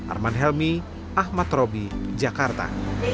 arman helmi ahmad roby jakarta